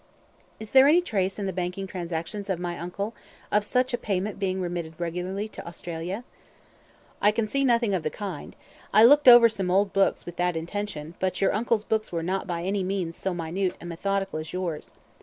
"Is there any trace in the banking transactions of my uncle of such a payment being remitted regularly to Australia?" "I can see nothing of the kind. I looked over some old books with that intention, but your uncle's books were not by any means so minute and methodical as yours.